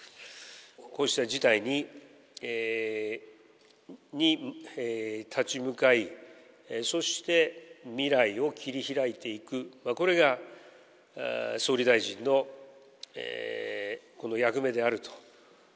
こうした事態に立ち向かい、そして未来を切り開いていく、これが総理大臣の役目であると。